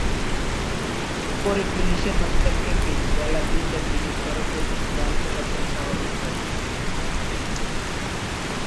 পরে পুলিশের হস্তক্ষেপে বেলা দুইটার দিকে সড়কে যানবাহন চলাচল স্বাভাবিক হয়।